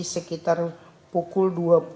sekitar pukul dua puluh